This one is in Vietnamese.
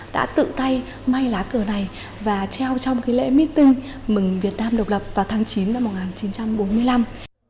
đã tự tay may lá cờ này và treo trong lễ meeting mừng việt nam độc lập vào tháng chín năm một nghìn chín trăm bốn mươi năm